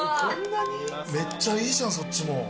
めっちゃいいじゃんそっちも。